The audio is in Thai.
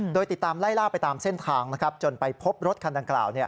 โดยติดตามไล่ล่าไปตามเส้นทางจนไปพบรถคันดังกล่าว